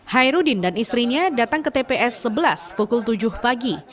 hairudin dan istrinya datang ke tps sebelas pukul tujuh pagi